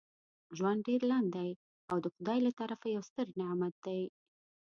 ژوند ډیر لنډ دی او دا دخدای له طرفه یو ستر نعمت دی.